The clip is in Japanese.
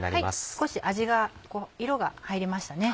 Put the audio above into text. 少し味が色が入りましたね。